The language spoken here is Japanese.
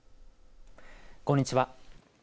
こんにちは。